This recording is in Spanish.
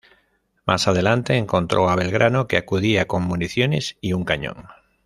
Más adelante, encontró a Belgrano que acudía con municiones y un cañón.